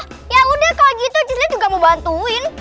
oh ya udah kalau gitu cislin juga mau bantuin